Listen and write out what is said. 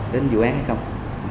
đến vụ án hay không